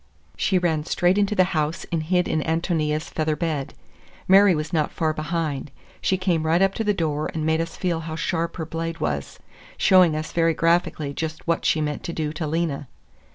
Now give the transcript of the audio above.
She ran straight into the house and hid in Ántonia's feather bed. Mary was not far behind; she came right up to the door and made us feel how sharp her blade was, showing us very graphically just what she meant to do to Lena.